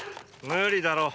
無理だろう。